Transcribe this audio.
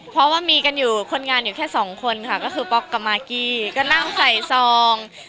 เพราะว่ามีกันอยู่คนงานอยู่แค่สองคนค่ะก็คือป๊อกกับมากกี้ก็นั่งใส่ซอง